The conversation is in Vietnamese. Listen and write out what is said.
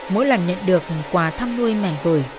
mỗi lần nhận được quà thăm nuôi mẹ gửi